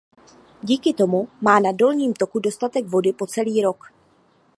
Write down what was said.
Díky tomu má na dolním toku dostatek vody po celý rok.